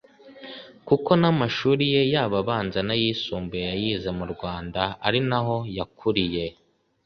kuko n’amashuri ye yaba abanza n’ayisumbuye yayize mu Rwanda ari naho yakuriye